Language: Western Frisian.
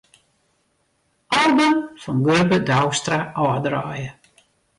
Album fan Gurbe Douwstra ôfdraaie.